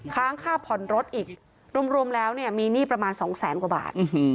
ค้างค่าผ่อนรถอีกรวมแล้วเนี่ยมีหนี้ประมาณสองแสนกว่าบาท